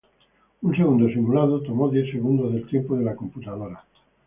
Un segundo simulado tomó diez segundos del tiempo de la computadora.